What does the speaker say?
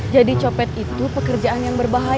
jadi copet itu pekerjaan yang berbahaya